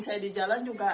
saya di jalan juga